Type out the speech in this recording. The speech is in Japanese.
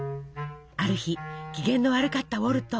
ある日機嫌の悪かったウォルト。